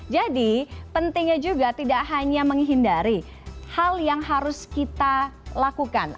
jadi pentingnya juga tidak hanya menghindari hal yang harus kita lakukan